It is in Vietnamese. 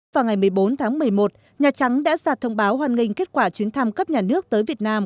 vào ngày một mươi bốn tháng một mươi một nhà trắng đã ra thông báo hoàn ngành kết quả chuyến thăm cấp nhà nước tới việt nam